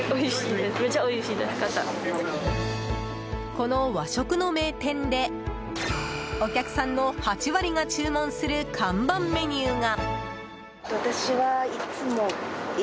この和食の名店でお客さんの８割が注文する看板メニューが。